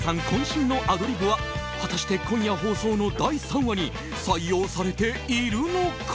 渾身のアドリブは果たして今夜放送の第３話に採用されているのか？